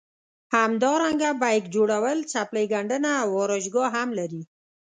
همدارنګه بیک جوړول څپلۍ ګنډنه او ارایشګاه هم لري.